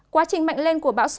quá trình mạnh lên của quốc gia